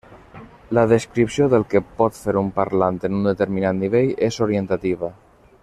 La descripció del que pot fer un parlant en un determinat nivell és orientativa.